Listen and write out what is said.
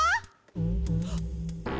はっ！